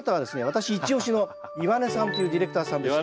私イチ押しの岩根さんというディレクターさんでして。